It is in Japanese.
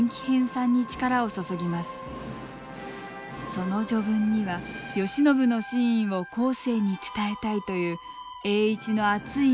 その序文には慶喜の真意を後世に伝えたいという栄一の熱い思いが込められています。